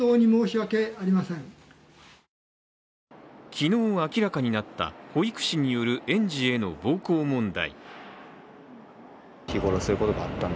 昨日明らかになった保育士による園児への暴行問題。